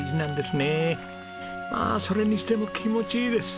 ああそれにしても気持ちいいです。